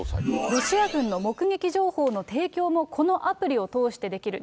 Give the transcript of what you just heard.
ロシア軍の目撃情報の提供もこのアプリを通してできる。